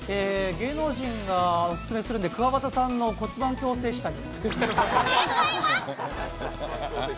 芸能人がオススメするんで、桑畑さんの骨盤矯正下着。